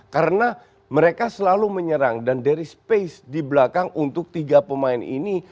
karena mereka selalu menyerang dan dari space di belakang untuk tiga pemain ini